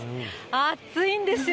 暑いんですよ。